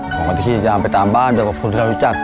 ของกฏฮีจะไปตามบ้านเดี๋ยวกับคนที่เรารู้จัก